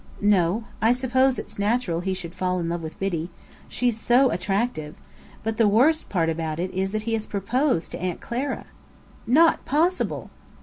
"No. I suppose it's natural he should fall in love with Biddy. She's so attractive! But the worst part about it is that he has proposed to Aunt Clara." "Not possible!"